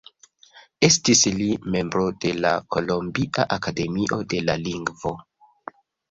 Estis li membro de la Kolombia akademio de la lingvo.